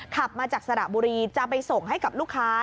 ขับมาจากสระบุรีจะไปส่งให้กับลูกค้า